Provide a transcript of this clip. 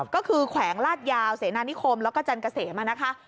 ก็คือแขวงลาดยาวเสนานิคมแล้วก็จันเกษมนะคะ